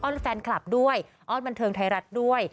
แฟนคลับด้วยอ้อนบันเทิงไทยรัฐด้วย